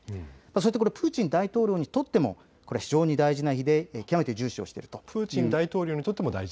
そしてプーチン大統領にとっても非常に大事な日で極めて重視をしています。